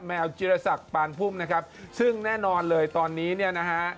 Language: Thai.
แมวจิรษักปานพุ่มนะครับซึ่งแน่นอนเลยตอนนี้เนี่ยนะฮะ